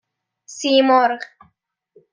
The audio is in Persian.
سیمرغ